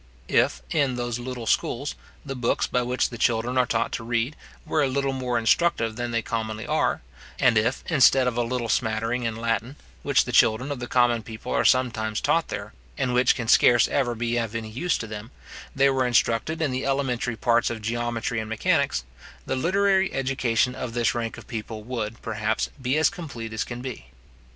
If, in those little schools, the books by which the children are taught to read, were a little more instructive than they commonly are; and if, instead of a little smattering in Latin, which the children of the common people are sometimes taught there, and which can scarce ever be of any use to them, they were instructed in the elementary parts of geometry and mechanics; the literary education of this rank of people would, perhaps, be as complete as can be.